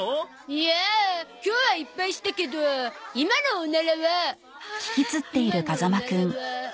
いやあ今日はいっぱいしたけど今のオナラは今のオナラは。